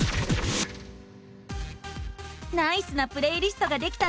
ナイスなプレイリストができたんじゃない！